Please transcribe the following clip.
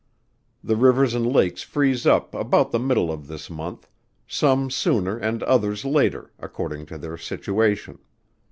The rivers and lakes freeze up about the middle of this month, some sooner and others later, according to their situation.